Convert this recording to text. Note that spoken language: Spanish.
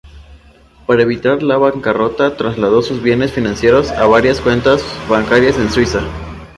Para evitar la bancarrota, trasladó sus bienes financieros a varias cuentas bancarias en Suiza.